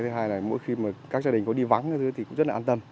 và gọi là có